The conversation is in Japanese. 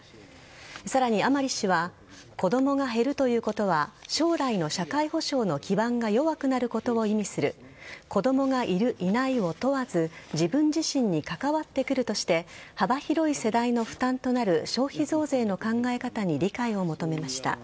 さらに、甘利氏は子供が減るということは将来の社会保障の基盤が弱くなることを意味する子供がいる、いないを問わず自分自身に関わってくるとして幅広い世代の負担となる消費増税の考え方に理解を求めました。